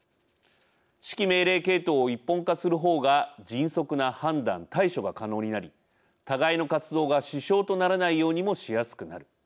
指揮命令系統を一本化する方が迅速な判断・対処が可能になり互いの活動が支障とならないようにもしやすくなる。